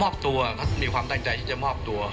ตัวเขามีความตั้งใจที่จะมอบตัว